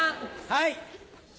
はい？